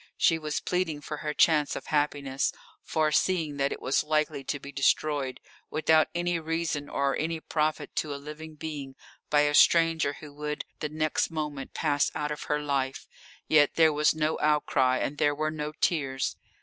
She was pleading for her chance of happiness, foreseeing that it was likely to be destroyed, without any reason or any profit to a living being, by a stranger who would the next moment pass out of her life. Yet there was no outcry, and there were no tears.